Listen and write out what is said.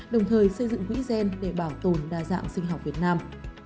đồng thời xây dựng quỹ gen để bảo tồn đa dạng sinh học việt nam